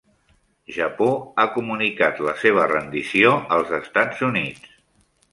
Japó ha comunicat la seva rendició als Estats Units.